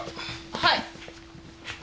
はい。